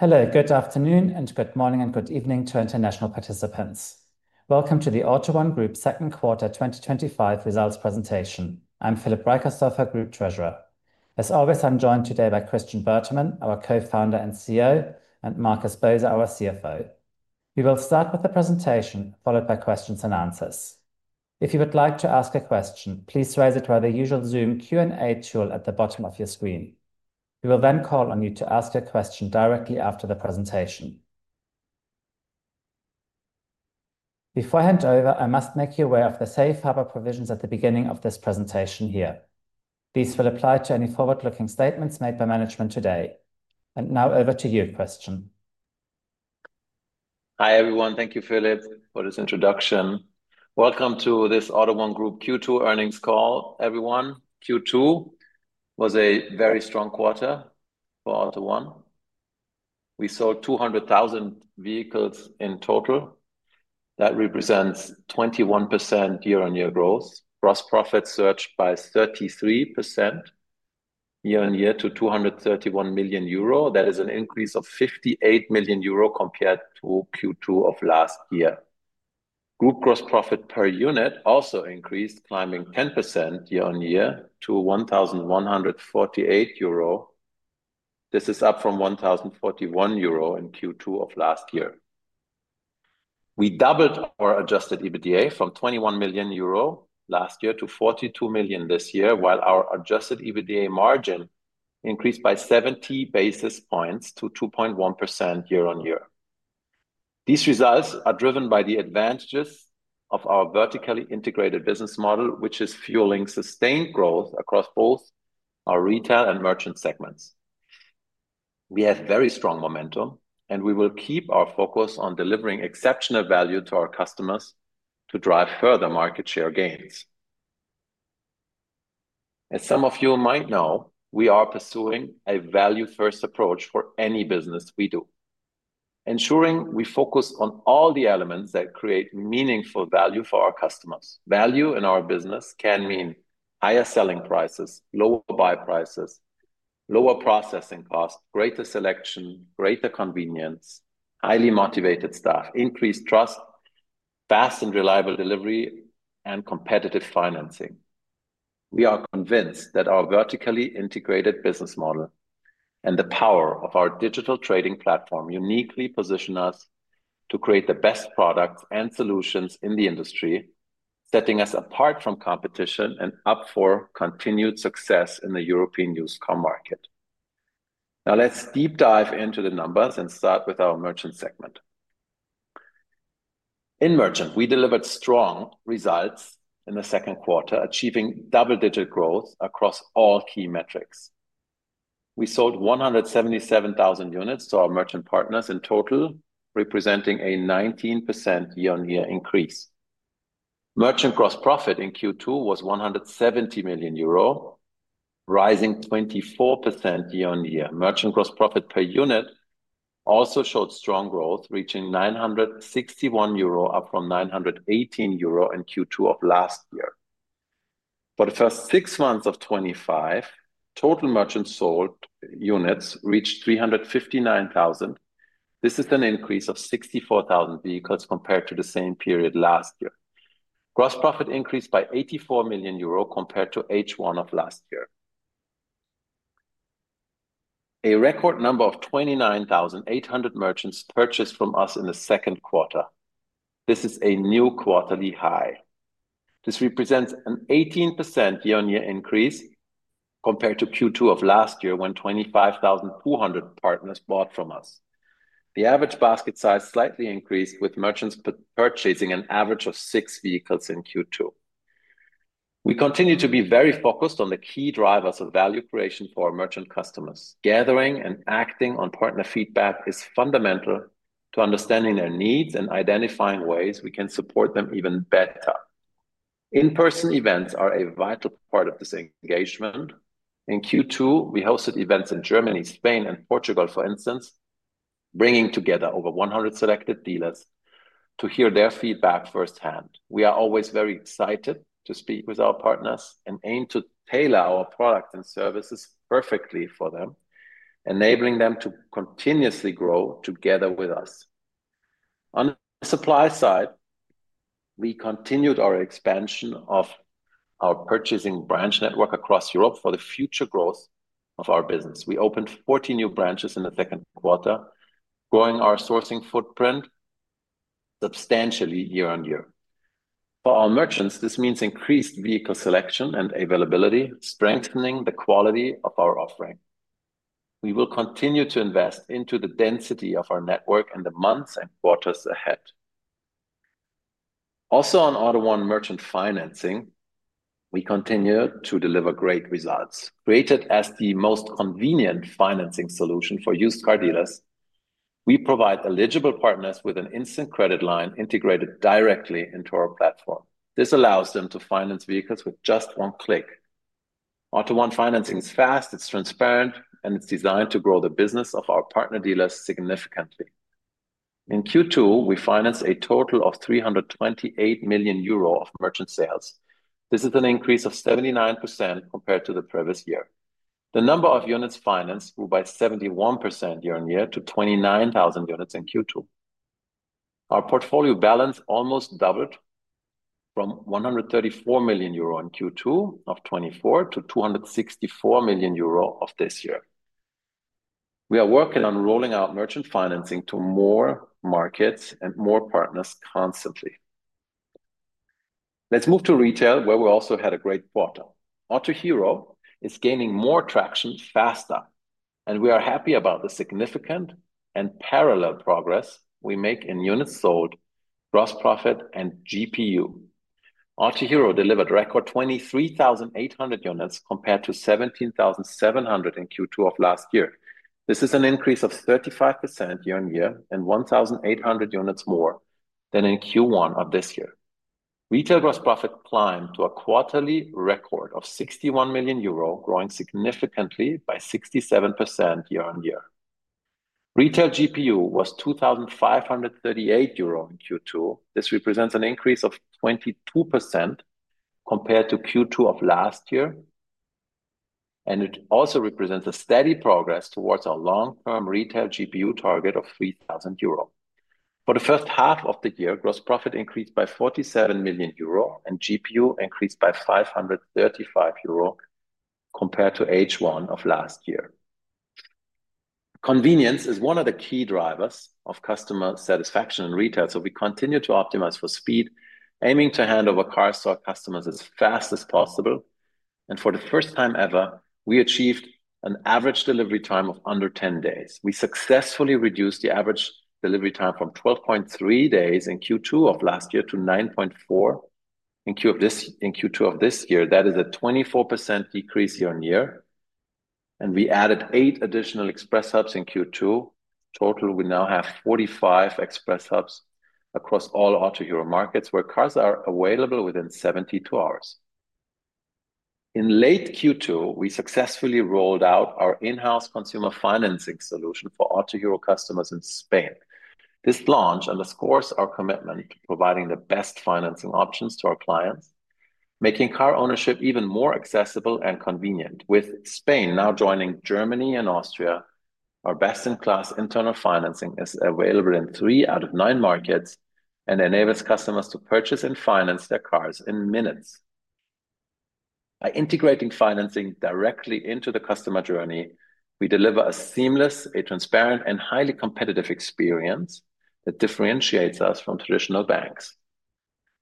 Hello, good afternoon, good morning, and good evening to international participants. Welcome to the AUTO1 Group SE second quarter 2025 results presentation. I'm Philip Reicherstorfer, Group Treasurer. As always, I'm joined today by Christian Bertermann, our Co-Founder and CEO, and Markus Boser, our CFO. We will start with the presentation, followed by questions and answers. If you would like to ask a question, please raise it via the usual Zoom Q&A tool at the bottom of your screen. We will then call on you to ask your question directly after the presentation. Before I hand over, I must make you aware of the safe harbor provisions at the beginning of this presentation. These will apply to any forward-looking statements made by management today. Now over to you, Christian. Hi everyone, thank you, Philip, for this introduction. Welcome to this AUTO1 Group SE Q2 earnings call, everyone. Q2 was a very strong quarter for AUTO1 Group SE. We sold 200,000 vehicles in total. That represents 21% year-on-year growth. Gross profit surged by 33% year-on-year to 231 million euro. That is an increase of 58 million euro compared to Q2 of last year. Group gross profit per unit also increased, climbing 10% year-on-year to 1,148 euro. This is up from 1,041 euro in Q2 of last year. We doubled our adjusted EBITDA from 21 million euro last year to 42 million this year, while our adjusted EBITDA margin increased by 70 basis points to 2.1% year-on-year. These results are driven by the advantages of our vertically integrated business model, which is fueling sustained growth across both our retail and merchant segments. We have very strong momentum, and we will keep our focus on delivering exceptional value to our customers to drive further market share gains. As some of you might know, we are pursuing a value-first approach for any business we do, ensuring we focus on all the elements that create meaningful value for our customers. Value in our business can mean higher selling prices, lower buy prices, lower processing costs, greater selection, greater convenience, highly motivated staff, increased trust, fast and reliable delivery, and competitive financing. We are convinced that our vertically integrated business model and the power of our digital trading platform uniquely position us to create the best products and solutions in the industry, setting us apart from competition and up for continued success in the European used car market. Now let's deep dive into the numbers and start with our merchant segment. In merchant, we delivered strong results in the second quarter, achieving double-digit growth across all key metrics. We sold 177,000 units to our merchant partners in total, representing a 19% year on year increase. Merchant gross profit in Q2 was 170 million euro, rising 24% year on year. Merchant gross profit per unit also showed strong growth, reaching 961 euro, up from 918 euro in Q2 of last year. For the first six months of 2025, total merchant sold units reached 359,000. This is an increase of 64,000 vehicles compared to the same period last year. Gross profit increased by 84 million euro compared to H1 of last year. A record number of 29,800 merchants purchased from us in the second quarter. This is a new quarterly high. This represents an 18% year on year increase compared to Q2 of last year, when 25,400 partners bought from us. The average basket size slightly increased, with merchants purchasing an average of six vehicles in Q2. We continue to be very focused on the key drivers of value creation for our merchant customers. Gathering and acting on partner feedback is fundamental to understanding their needs and identifying ways we can support them even better. In-person events are a vital part of this engagement. In Q2, we hosted events in Germany, Spain, and Portugal, for instance, bringing together over 100 selected dealers to hear their feedback firsthand. We are always very excited to speak with our partners and aim to tailor our products and services perfectly for them, enabling them to continuously grow together with us. On the supply side, we continued our expansion of our purchasing branch network across Europe for the future growth of our business. We opened 40 new branches in the second quarter, growing our sourcing footprint substantially year-on-year. For our merchants, this means increased vehicle selection and availability, strengthening the quality of our offering. We will continue to invest into the density of our network in the months and quarters ahead. Also, on AUTO1 merchant financing, we continue to deliver great results. Created as the most convenient financing solution for used car dealers, we provide eligible partners with an instant credit line integrated directly into our platform. This allows them to finance vehicles with just one click. AUTO1 financing is fast, it's transparent, and it's designed to grow the business of our partner dealers significantly. In Q2, we financed a total of 328 million euro of merchant sales. This is an increase of 79% compared to the previous year. The number of units financed grew by 71% year-on-year to 29,000 units in Q2. Our portfolio balance almost doubled from 134 million euro in Q2 of 2024 to 264 million euro of this year. We are working on rolling out merchant financing to more markets and more partners constantly. Let's move to retail, where we also had a great quarter. Autohero is gaining more traction faster, and we are happy about the significant and parallel progress we make in units sold, gross profit, and GPU. Autohero delivered a record 23,800 units compared to 17,700 in Q2 of last year. This is an increase of 35% year on year and 1,800 units more than in Q1 of this year. Retail gross profit climbed to a quarterly record of 61 million euro, growing significantly by 67% year on year. Retail GPU was 2,538 euro in Q2. This represents an increase of 22% compared to Q2 of last year, and it also represents a steady progress towards our long-term retail GPU target of 3,000 euro. For the first half of the year, gross profit increased by 47 million euro and GPU increased by 535 euro compared to H1 of last year. Convenience is one of the key drivers of customer satisfaction in retail, so we continue to optimize for speed, aiming to handle our car store customers as fast as possible. For the first time ever, we achieved an average delivery time of under 10 days. We successfully reduced the average delivery time from 12.3 days in Q2 of last year to 9.4 in Q2 of this year. That is a 24% decrease year-on-year. We added eight additional express hubs in Q2. In total, we now have 45 express hubs across all Autohero markets where cars are available within 72 hours. In late Q2, we successfully rolled out our in-house consumer financing solution for Autohero customers in Spain. This launch underscores our commitment to providing the best financing options to our clients, making car ownership even more accessible and convenient. With Spain now joining Germany and Austria, our best-in-class internal financing is available in three out of nine markets and enables customers to purchase and finance their cars in minutes. By integrating financing directly into the customer journey, we deliver a seamless, transparent, and highly competitive experience that differentiates us from traditional banks.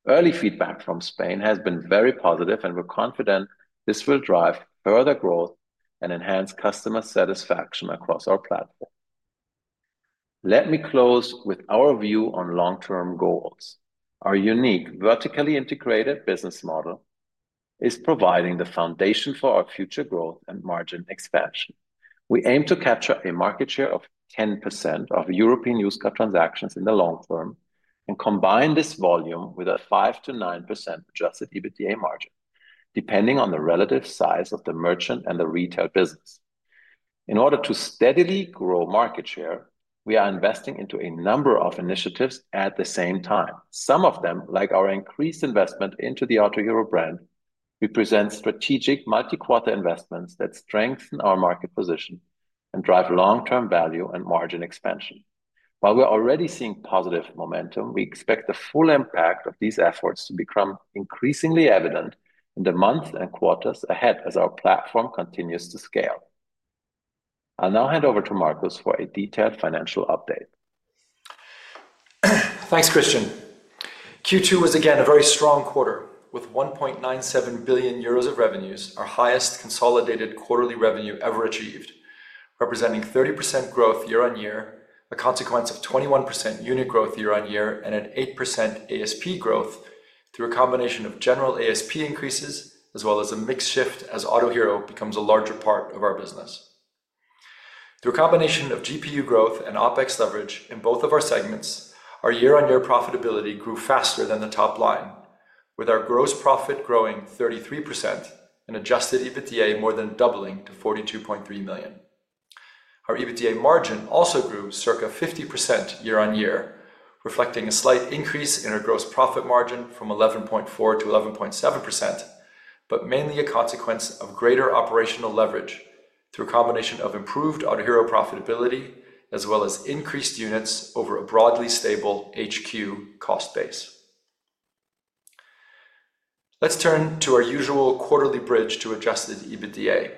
Early feedback from Spain has been very positive, and we're confident this will drive further growth and enhance customer satisfaction across our platform. Let me close with our view on long-term goals. Our unique vertically integrated business model is providing the foundation for our future growth and margin expansion. We aim to capture a market share of 10% of European used car transactions in the long term and combine this volume with a 5% to 9% adjusted EBITDA margin, depending on the relative size of the merchant and the retail business. In order to steadily grow market share, we are investing into a number of initiatives at the same time. Some of them, like our increased investment into the Autohero brand, represent strategic multi-quarter investments that strengthen our market position and drive long-term value and margin expansion. While we're already seeing positive momentum, we expect the full impact of these efforts to become increasingly evident in the months and quarters ahead as our platform continues to scale. I'll now hand over to Markus for a detailed financial update. Thanks, Christian. Q2 was again a very strong quarter with 1.97 billion euros of revenues, our highest consolidated quarterly revenue ever achieved, representing 30% growth year-on-year, a consequence of 21% unit growth year-on-year, and an 8% ASP growth through a combination of general ASP increases, as well as a mix shift as Autohero becomes a larger part of our business. Through a combination of GPU growth and OpEx leverage in both of our segments, our year-on-year profitability grew faster than the top line, with our gross profit growing 33% and adjusted EBITDA more than doubling to 42.3 million. Our EBITDA margin also grew circa 50% year-on-year, reflecting a slight increase in our gross profit margin from 11.4% to 11.7%, but mainly a consequence of greater operational leverage through a combination of improved Autohero profitability, as well as increased units over a broadly stable HQ cost base. Let's turn to our usual quarterly bridge to adjusted EBITDA.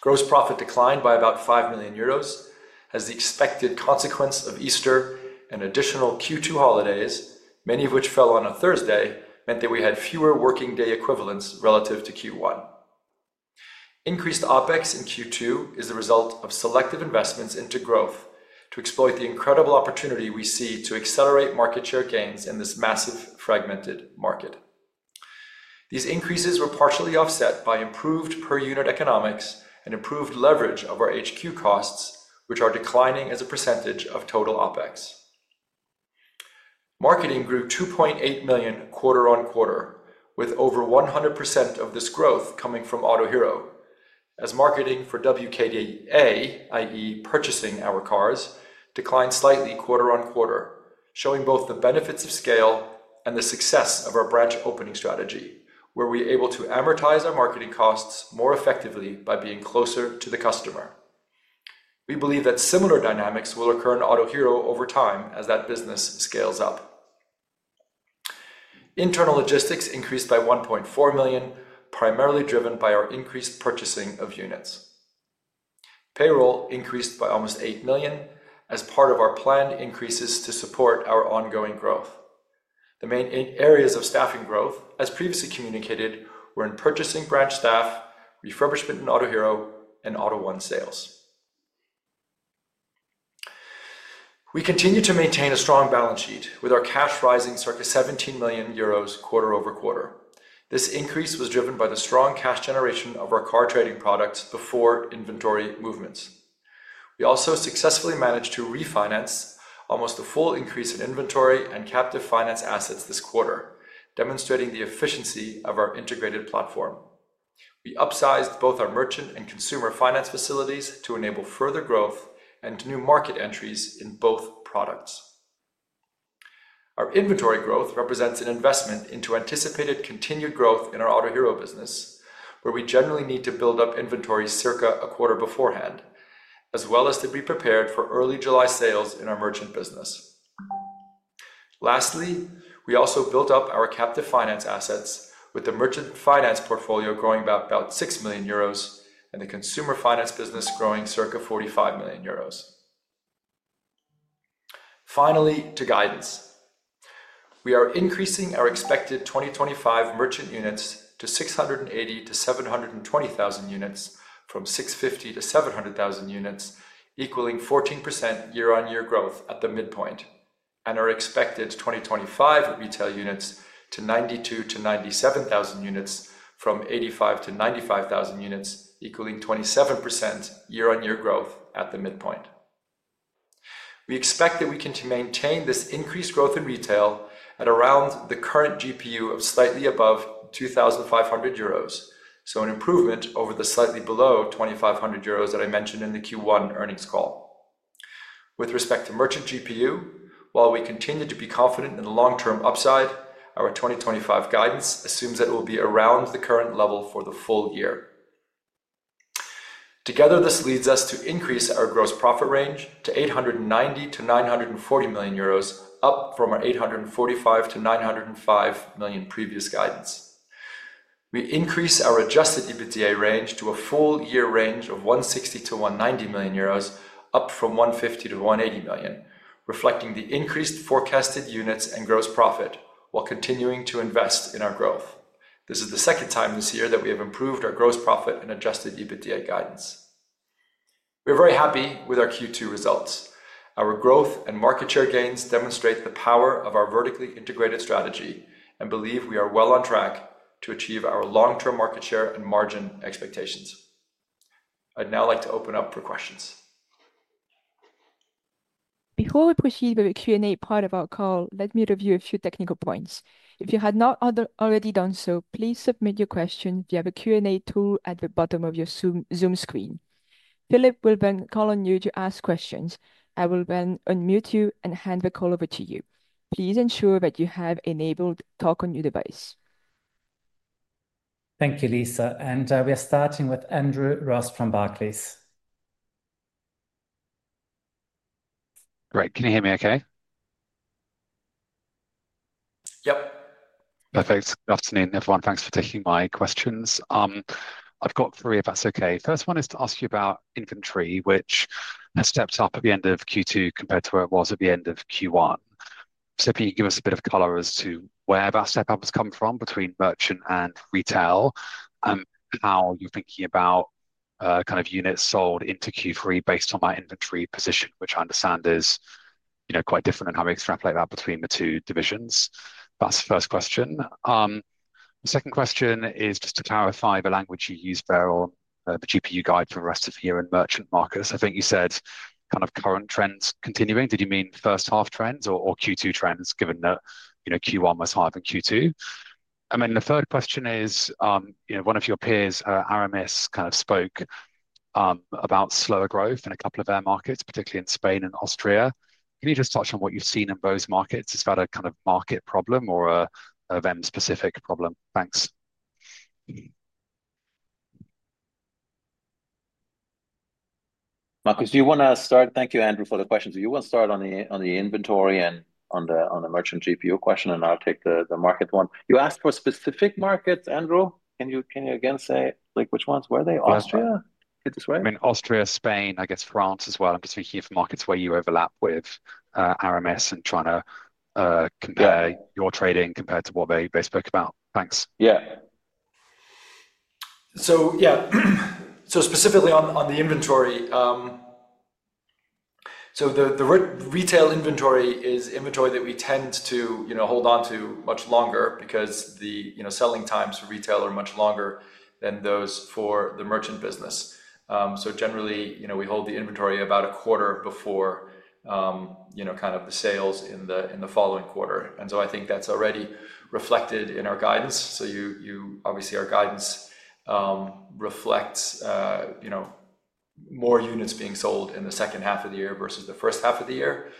Gross profit declined by about 5 million euros. As the expected consequence of Easter and additional Q2 holidays, many of which fell on a Thursday, meant that we had fewer working day equivalents relative to Q1. Increased OpEx in Q2 is the result of selective investments into growth to exploit the incredible opportunity we see to accelerate market share gains in this massive fragmented market. These increases were partially offset by improved per unit economics and improved leverage of our HQ costs, which are declining as a percentage of total OpEx. Marketing grew 2.8 million quarter on quarter, with over 100% of this growth coming from Autohero, as marketing for WKDA, i.e., purchasing our cars, declined slightly quarter on quarter, showing both the benefits of scale and the success of our branch opening strategy, where we were able to amortize our marketing costs more effectively by being closer to the customer. We believe that similar dynamics will occur in Autohero over time as that business scales up. Internal logistics increased by 1.4 million, primarily driven by our increased purchasing of units. Payroll increased by almost 8 million as part of our planned increases to support our ongoing growth. The main areas of staffing growth, as previously communicated, were in purchasing branch staff, refurbishment in Autohero, and AUTO1 sales. We continue to maintain a strong balance sheet with our cash rising circa 17 million euros quarter over quarter. This increase was driven by the strong cash generation of our car trading products before inventory movements. We also successfully managed to refinance almost a full increase in inventory and captive finance assets this quarter, demonstrating the efficiency of our integrated platform. We upsized both our merchant and consumer finance facilities to enable further growth and new market entries in both products. Our inventory growth represents an investment into anticipated continued growth in our Autohero business, where we generally need to build up inventory circa a quarter beforehand, as well as to be prepared for early July sales in our merchant business. Lastly, we also built up our captive finance assets, with the merchant finance portfolio growing about 6 million euros and the consumer finance business growing circa 45 million euros. Finally, to guidance, we are increasing our expected 2025 merchant units to 680,000 to 720,000 units, from 650,000 to 700,000 units, equaling 14% year-on-year growth at the midpoint, and our expected 2025 retail units to 92,000 to 97,000 units, from 85,000 to 95,000 units, equaling 27% year-on-year growth at the midpoint. We expect that we can maintain this increased growth in retail at around the current GPU of slightly above 2,500 euros, so an improvement over the slightly below 2,500 euros that I mentioned in the Q1 earnings call. With respect to merchant GPU, while we continue to be confident in the long-term upside, our 2025 guidance assumes that it will be around the current level for the full year. Together, this leads us to increase our gross profit range to 890 million-940 million euros, up from our 845 million-905 million previous guidance. We increase our adjusted EBITDA range to a full year range of 160 million-190 million euros, up from 150 million-180 million, reflecting the increased forecasted units and gross profit while continuing to invest in our growth. This is the second time this year that we have improved our gross profit and adjusted EBITDA guidance. We're very happy with our Q2 results. Our growth and market share gains demonstrate the power of our vertically integrated strategy and believe we are well on track to achieve our long-term market share and margin expectations. I'd now like to open up for questions. Before we proceed with the Q&A part of our call, let me review a few technical points. If you have not already done so, please submit your question via the Q&A tool at the bottom of your Zoom screen. Philip will then call on you to ask questions. I will then unmute you and hand the call over to you. Please ensure that you have enabled Talk on your device. Thank you, Lisa. We are starting with Andrew Ross from Barclays. Great. Can you hear me OK? Yep. Perfect. Good afternoon, everyone. Thanks for taking my questions. I've got three, if that's OK. The first one is to ask you about inventory, which has stepped up at the end of Q2 compared to where it was at the end of Q1. If you can give us a bit of color as to where that step up has come from between merchant and retail and how you're thinking about kind of units sold into Q3 based on that inventory position, which I understand is quite different and how we extrapolate that between the two divisions. That's the first question. The second question is just to clarify the language you use there on the GPU guide for the rest of the year in merchant markets. I think you said kind of current trends continuing. Did you mean first half trends or Q2 trends given that Q1 was higher than Q2? The third question is, one of your peers, Aramis, spoke about slower growth in a couple of their markets, particularly in Spain and Austria. Can you just touch on what you've seen in those markets? Is that a kind of market problem or a VEM-specific problem? Thanks. Markus, do you want to start? Thank you, Andrew, for the question. Do you want to start on the inventory and on the merchant GPU question? I'll take the market one. You asked for specific markets, Andrew. Can you again say which ones were they? Austria? Did I get this right? Austria, Spain, I guess France as well. I'm just thinking of markets where you overlap with Aramis and trying to compare your trading compared to what they spoke about. Thanks. Yeah, specifically on the inventory, the retail inventory is inventory that we tend to hold on to much longer because the selling times for retail are much longer than those for the merchant business. Generally, we hold the inventory about a quarter before the sales in the following quarter. I think that's already reflected in our guidance. Obviously, our guidance reflects more units being sold in the second half of the year versus the first half of the year.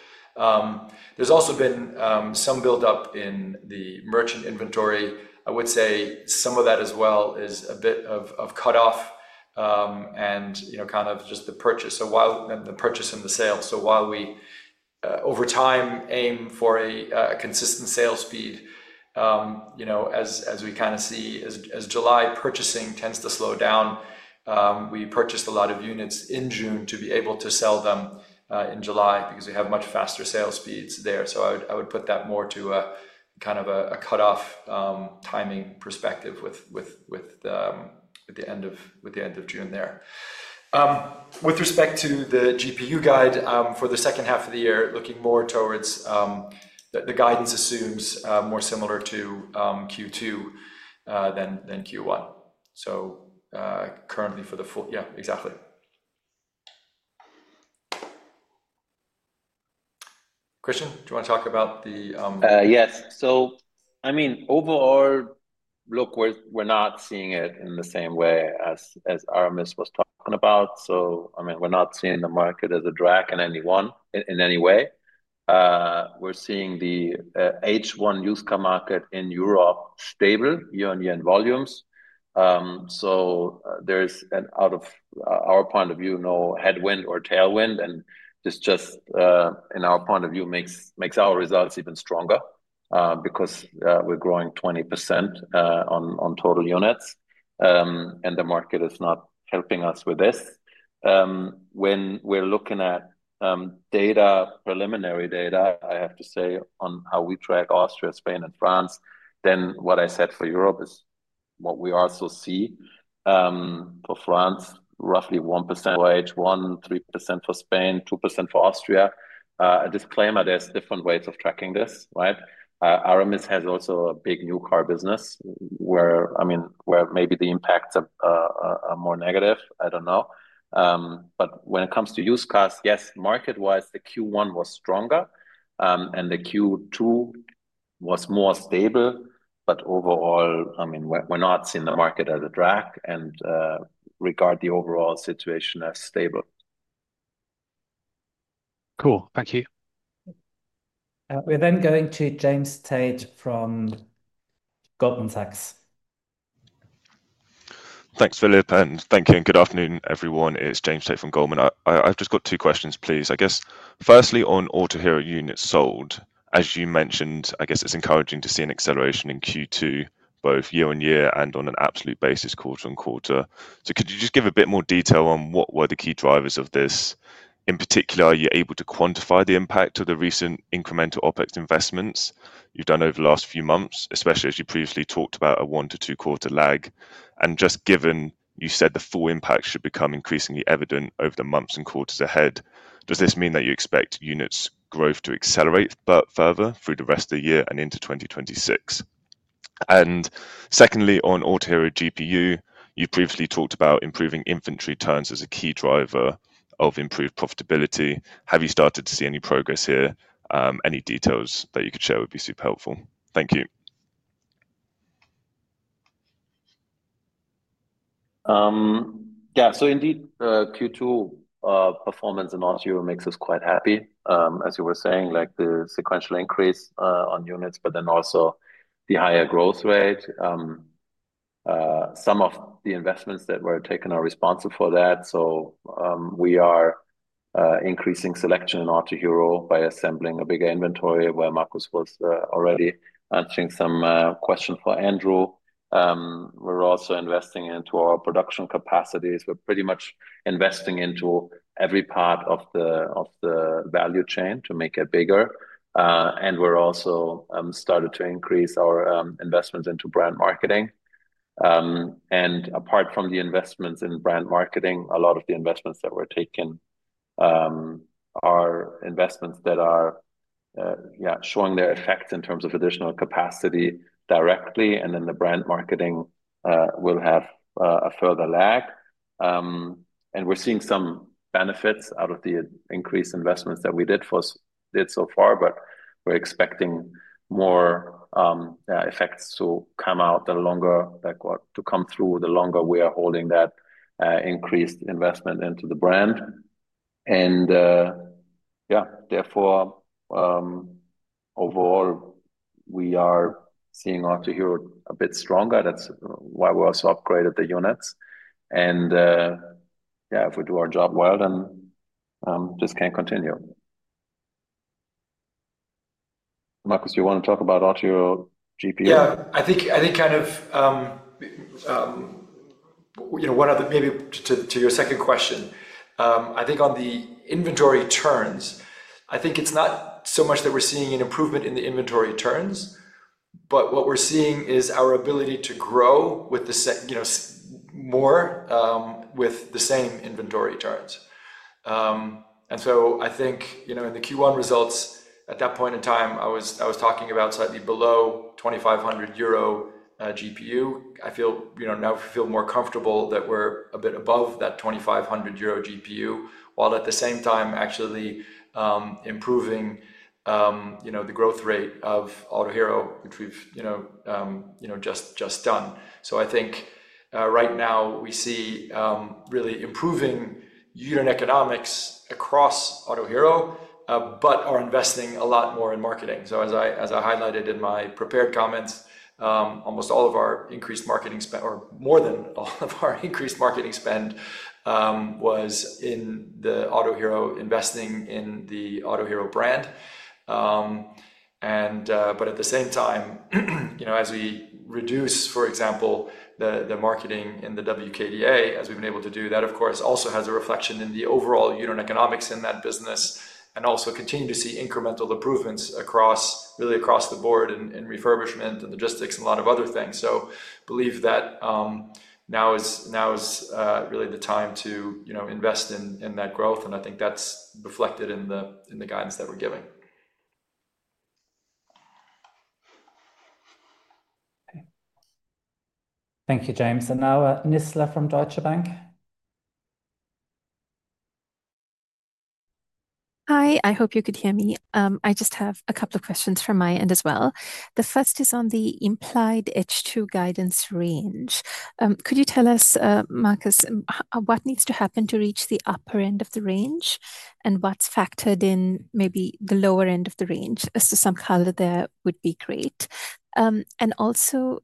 There's also been some buildup in the merchant inventory. I would say some of that as well is a bit of cut-off and just the purchase, so while the purchase and the sale. While we over time aim for a consistent sales speed, as we see as July purchasing tends to slow down, we purchased a lot of units in June to be able to sell them in July because we have much faster sales speeds there. I would put that more to a cut-off timing perspective with the end of June there. With respect to the GPU guide for the second half of the year, looking more towards the guidance assumes more similar to Q2 than Q1. Currently for the full, yeah, exactly. Christian, do you want to talk about the. Yes. I mean, overall, look, we're not seeing it in the same way as Aramis was talking about. We're not seeing the market as a drag in any way. We're seeing the H1 used car market in Europe stable, year-on-year in volumes. Out of our point of view, there is no headwind or tailwind. This, in our point of view, makes our results even stronger because we're growing 20% on total units, and the market is not helping us with this. When we're looking at data, preliminary data, I have to say, on how we track Austria, Spain, and France, then what I said for Europe is what we also see. For France, roughly 1% for H1, 3% for Spain, 2% for Austria. A disclaimer, there are different ways of tracking this, right? Aramis also has a big new car business where maybe the impacts are more negative. I don't know. When it comes to used cars, market-wise, Q1 was stronger and Q2 was more stable. Overall, we're not seeing the market as a drag and regard the overall situation as stable. Thank you. We're then going to James Tate from Goldman. Thanks. Thanks, Philip. Thank you and good afternoon, everyone. It's James Tate from Goldman. I've just got two questions, please. Firstly, on Autohero units sold, as you mentioned, it's encouraging to see an acceleration in Q2, both year-on-year and on an absolute basis, quarter on quarter. Could you just give a bit more detail on what were the key drivers of this? In particular, are you able to quantify the impact of the recent incremental OpEx investments you've done over the last few months, especially as you previously talked about a one to two-quarter lag? Given you said the full impact should become increasingly evident over the months and quarters ahead, does this mean that you expect units' growth to accelerate further through the rest of the year and into 2026? Secondly, on Autohero GPU, you've previously talked about improving inventory turns as a key driver of improved profitability. Have you started to see any progress here? Any details that you could share would be super helpful. Thank you. Yeah. So indeed, Q2 performance in Autohero makes us quite happy, as you were saying, like the sequential increase on units, but then also the higher growth rate. Some of the investments that were taken are responsible for that. We are increasing selection in Autohero by assembling a bigger inventory, where Markus was already answering some questions for Andrew. We're also investing into our production capacities. We're pretty much investing into every part of the value chain to make it bigger. We're also starting to increase our investments into brand marketing. Apart from the investments in brand marketing, a lot of the investments that were taken are investments that are showing their effects in terms of additional capacity directly. The brand marketing will have a further lag. We're seeing some benefits out of the increased investments that we did so far, but we're expecting more effects to come out the longer that come through, the longer we are holding that increased investment into the brand. Therefore, overall, we are seeing Autohero a bit stronger. That's why we also upgraded the units. If we do our job well, then this can continue. Markus, do you want to talk about Autohero GPU? Yeah. I think, you know, one of the maybe to your second question, I think on the inventory turns, I think it's not so much that we're seeing an improvement in the inventory turns, but what we're seeing is our ability to grow more with the same inventory turns. I think, you know, in the Q1 results at that point in time, I was talking about slightly below 2,500 euro GPU. I feel, you know, now feel more comfortable that we're a bit above that 2,500 euro GPU, while at the same time actually improving the growth rate of Autohero, which we've just done. I think right now we see really improving unit economics across Autohero, but are investing a lot more in marketing. As I highlighted in my prepared comments, almost all of our increased marketing spend, or more than all of our increased marketing spend, was in Autohero investing in the Autohero brand. At the same time, as we reduce, for example, the marketing in the WKDA, as we've been able to do, that, of course, also has a reflection in the overall unit economics in that business. We also continue to see incremental improvements really across the board in refurbishment and logistics and a lot of other things. I believe that now is really the time to invest in that growth. I think that's reflected in the guidance that we're giving. Thank you, James. Now, Nizla from Deutsche Bank. Hi. I hope you could hear me. I just have a couple of questions from my end as well. The first is on the implied H2 guidance range. Could you tell us, Markus, what needs to happen to reach the upper end of the range? What's factored in maybe the lower end of the range? Some color there would be great. Also,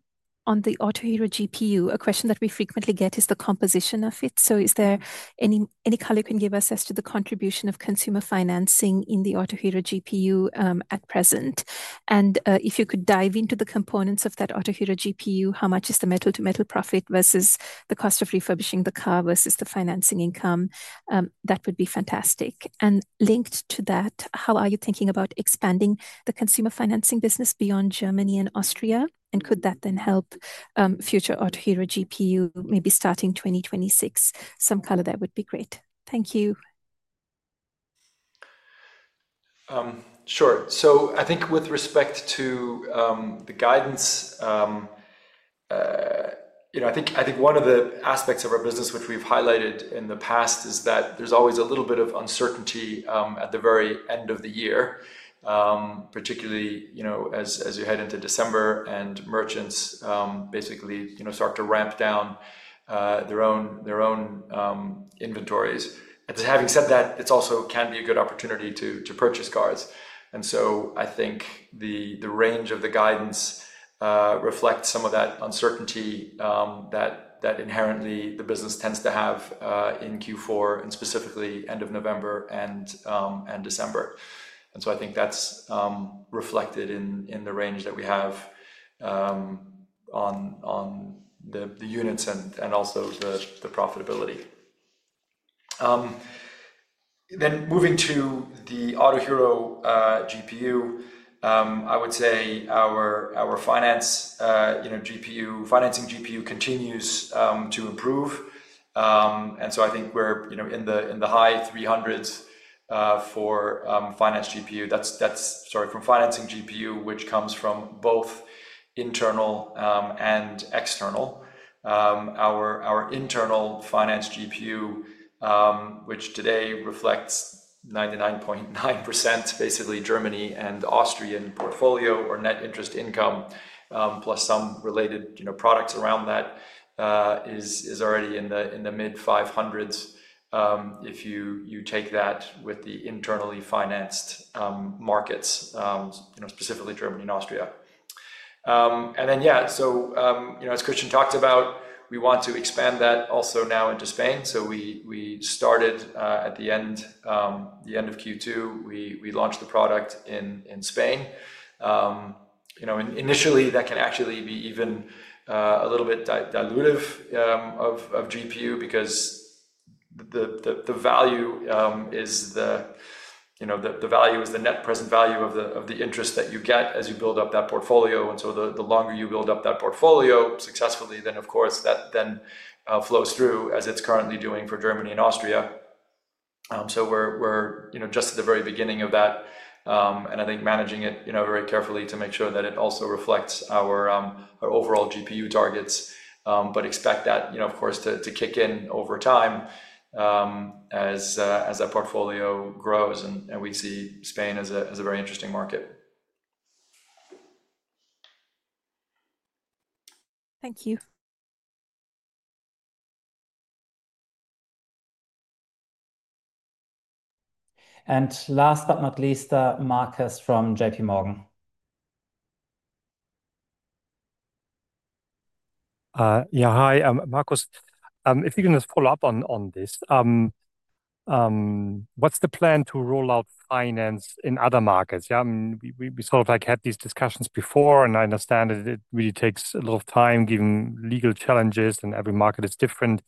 on the Autohero GPU, a question that we frequently get is the composition of it. Is there any color you can give us as to the contribution of consumer financing in the Autohero GPU at present? If you could dive into the components of that Autohero GPU, how much is the metal-to-metal profit versus the cost of refurbishing the car versus the financing income? That would be fantastic. Linked to that, how are you thinking about expanding the consumer financing business beyond Germany and Austria? Could that then help future Autohero GPU, maybe starting 2026? Some color there would be great. Thank you. Sure. I think with respect to the guidance, one of the aspects of our business, which we've highlighted in the past, is that there's always a little bit of uncertainty at the very end of the year, particularly as you head into December and merchants basically start to ramp down their own inventories. Having said that, it also can be a good opportunity to purchase cars. I think the range of the guidance reflects some of that uncertainty that inherently the business tends to have in Q4 and specifically end of November and December. I think that's reflected in the range that we have on the units and also the profitability. Moving to the Autohero GPU, I would say our finance GPU, financing GPU continues to improve. I think we're in the high 300s for finance GPU. That's, sorry, from financing GPU, which comes from both internal and external. Our internal finance GPU, which today reflects 99.9%, basically, Germany and Austrian portfolio or net interest income plus some related products around that, is already in the mid-500s if you take that with the internally financed markets, specifically Germany and Austria. As Christian talked about, we want to expand that also now into Spain. We started at the end of Q2. We launched the product in Spain. Initially, that can actually be even a little bit dilutive of GPU because the value is the net present value of the interest that you get as you build up that portfolio. The longer you build up that portfolio successfully, then, of course, that then flows through as it's currently doing for Germany and Austria. We're just at the very beginning of that. I think managing it very carefully to make sure that it also reflects our overall GPU targets, but expect that, of course, to kick in over time as that portfolio grows. We see Spain as a very interesting market. Thank you. Last but not least, Markus from JPMorgan. Yeah, hi. Markus, if you can just follow up on this, what's the plan to roll out finance in other markets? I mean, we sort of like had these discussions before, and I understand that it really takes a lot of time given legal challenges and every market is different.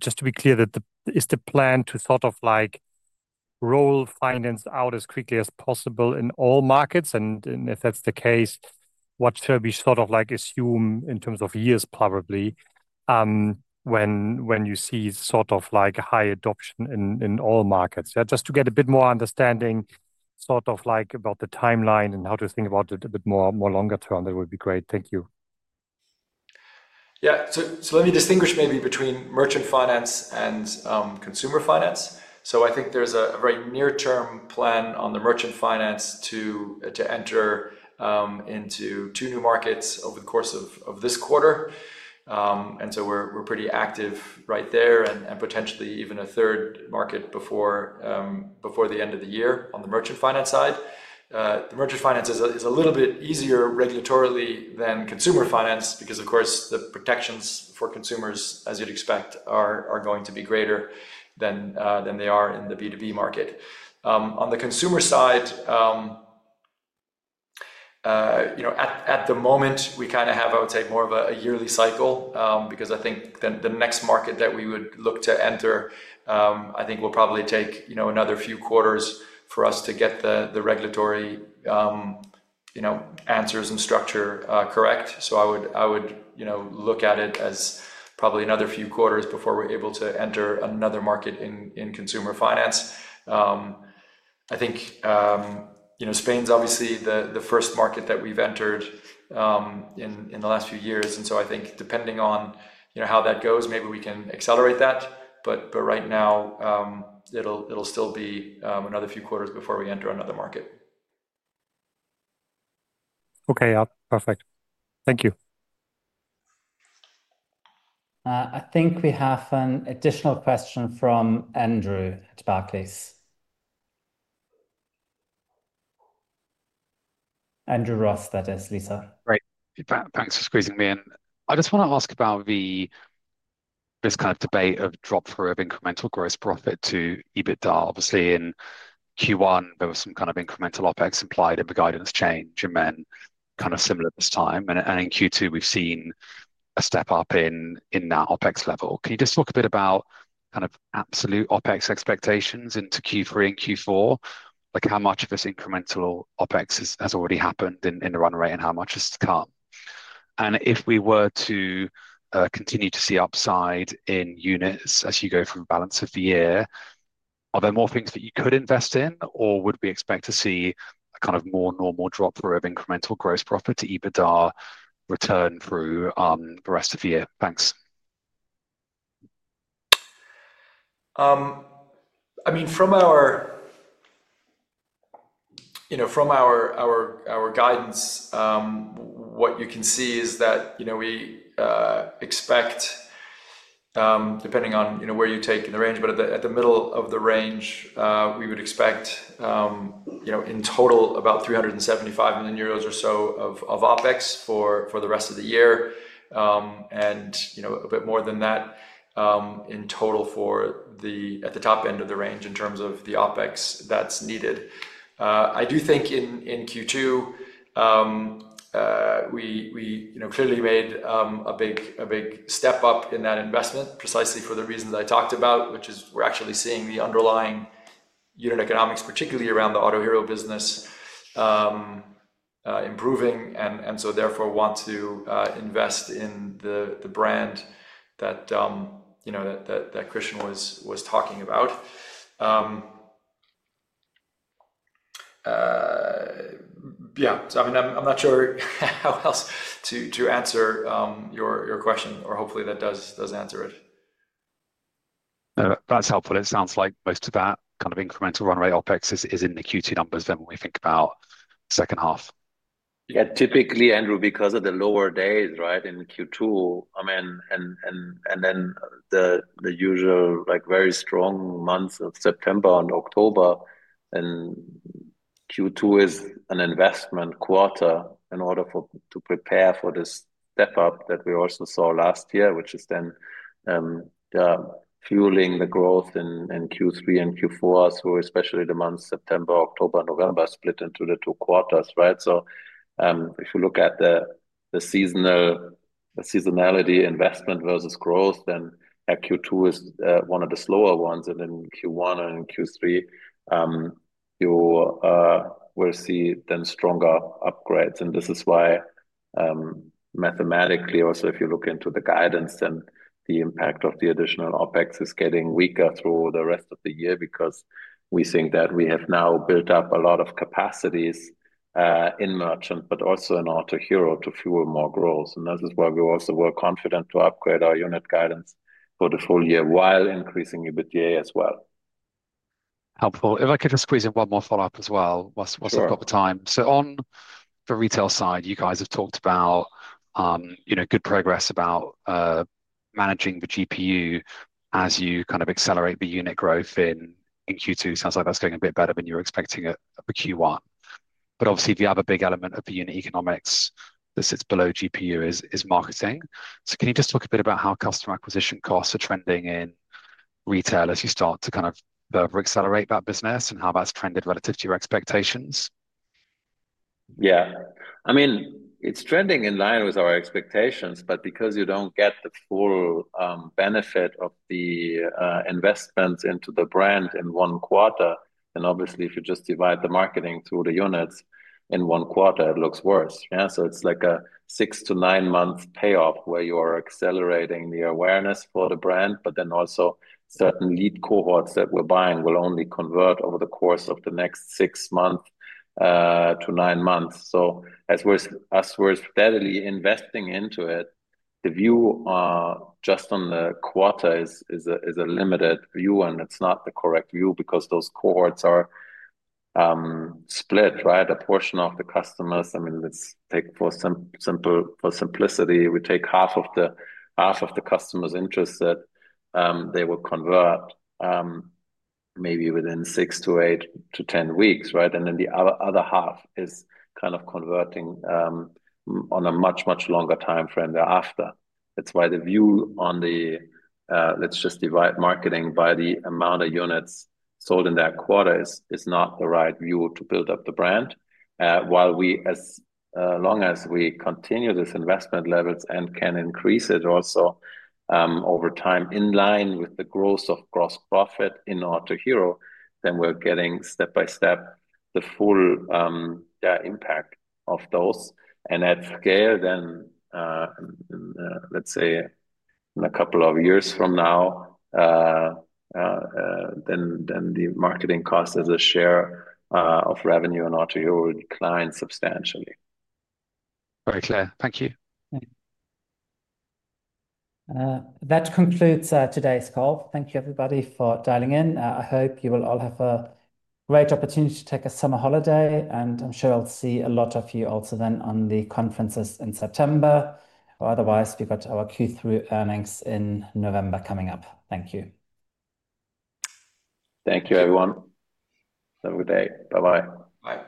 Just to be clear, is the plan to sort of like roll finance out as quickly as possible in all markets? If that's the case, what should we sort of like assume in terms of years, probably, when you see sort of like high adoption in all markets? Just to get a bit more understanding sort of like about the timeline and how to think about it a bit more longer term, that would be great. Thank you. Yeah. Let me distinguish maybe between merchant finance and consumer finance. I think there's a very near-term plan on the merchant finance to enter into two new markets over the course of this quarter. We're pretty active right there and potentially even a third market before the end of the year on the merchant finance side. The merchant finance is a little bit easier regulatorily than consumer finance because, of course, the protections for consumers, as you'd expect, are going to be greater than they are in the B2B market. On the consumer side, at the moment, we kind of have, I would say, more of a yearly cycle because I think the next market that we would look to enter will probably take another few quarters for us to get the regulatory answers and structure correct. I would look at it as probably another few quarters before we're able to enter another market in consumer finance. Spain's obviously the first market that we've entered in the last few years. I think depending on how that goes, maybe we can accelerate that. Right now, it'll still be another few quarters before we enter another market. OK, yeah, perfect. Thank you. I think we have an additional question from Andrew at Barclays. Andrew Ross, that is, Lisa. Great. Thanks for squeezing me in. I just want to ask about this kind of debate of drop-through of incremental gross profit to EBITDA. Obviously, in Q1, there was some kind of incremental OpEx implied in the guidance change, and then kind of similar this time. In Q2, we've seen a step up in that OpEx level. Can you just talk a bit about absolute OpEx expectations into Q3 and Q4? Like how much of this incremental OpEx has already happened in the runway and how much is to come? If we were to continue to see upside in units as you go through the balance of the year, are there more things that you could invest in, or would we expect to see a kind of more normal drop-through of incremental gross profit to EBITDA return through the rest of the year? Thanks. From our guidance, what you can see is that we expect, depending on where you take in the range, but at the middle of the range, we would expect in total about 375 million euros of OpEx for the rest of the year, and a bit more than that in total at the top end of the range in terms of the OpEx that's needed. I do think in Q2, we clearly made a big step up in that investment precisely for the reasons I talked about, which is we're actually seeing the underlying unit economics, particularly around the Autohero business, improving. Therefore, we want to invest in the brand that Christian was talking about. I'm not sure how else to answer your question, or hopefully, that does answer it. That's helpful. It sounds like most of that kind of incremental runway OpEx is in the Q2 numbers, then when we think about the second half. Yeah. Typically, Andrew, because of the lower days in Q2, I mean, and then the usual very strong months of September and October, Q2 is an investment quarter in order to prepare for this step up that we also saw last year, which is fueling the growth in Q3 and Q4 through especially the months September, October, and November split into the two quarters, right? If you look at the seasonality investment versus growth, Q2 is one of the slower ones. In Q1 and Q3, you will see then stronger upgrades. This is why mathematically, also, if you look into the guidance, the impact of the additional OpEx is getting weaker through the rest of the year because we think that we have now built up a lot of capacities in Merchant, but also in Autohero to fuel more growth. This is why we also were confident to upgrade our unit guidance for the full year while increasing EBITDA as well. Helpful. If I could just squeeze in one more follow-up as well once I've got the time. On the retail side, you guys have talked about, you know, good progress about managing the GPU as you kind of accelerate the unit growth in Q2. It sounds like that's going a bit better than you were expecting at Q1. Obviously, the other big element of the unit economics that sits below GPU is marketing. Can you just talk a bit about how customer acquisition costs are trending in retail as you start to kind of accelerate that business and how that's trended relative to your expectations? Yeah. I mean, it's trending in line with our expectations, but because you don't get the full benefit of the investments into the brand in one quarter, obviously, if you just divide the marketing through the units in one quarter, it looks worse. It's like a six to nine-month payoff where you are accelerating the awareness for the brand, but also certain lead cohorts that we're buying will only convert over the course of the next six months to nine months. As we're steadily investing into it, the view just on the quarter is a limited view, and it's not the correct view because those cohorts are split, right? A portion of the customers, I mean, let's take for simplicity, we take half of the customers interested, they will convert maybe within six to eight to ten weeks, right? The other half is kind of converting on a much, much longer time frame thereafter. That's why the view on the, let's just divide marketing by the amount of units sold in that quarter is not the right view to build up the brand. While we, as long as we continue these investment levels and can increase it also over time in line with the growth of gross profit in Autohero, we're getting step by step the full impact of those. At scale, in a couple of years from now, the marketing cost as a share of revenue in Autohero will decline substantially. Very clear. Thank you. That concludes today's call. Thank you, everybody, for dialing in. I hope you will all have a great opportunity to take a summer holiday. I'm sure I'll see a lot of you also then on the conferences in September. Otherwise, we've got our Q3 earnings in November coming up. Thank you. Thank you, everyone. Have a good day. Bye-bye. Bye.